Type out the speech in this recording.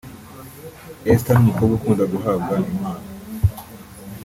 Esther ni umukobwa ukunda guhabwa impano